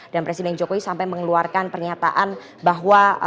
dan presiden jokowi sampai mengeluarkan pernyataan bahwa